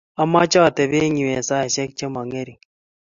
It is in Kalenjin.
amache atebe yu eng saishe che mo ngering.